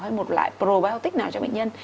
hay một loại probiotic nào cho bệnh nhân